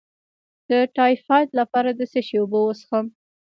د ټایفایډ لپاره د څه شي اوبه وڅښم؟